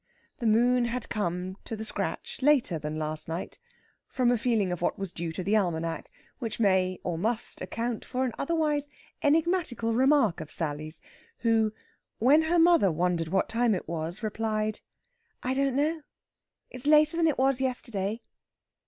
The moon had come to the scratch later than last night, from a feeling of what was due to the almanac, which may (or must) account for an otherwise enigmatical remark of Sally's, who, when her mother wondered what time it was, replied: "I don't know it's later than it was yesterday."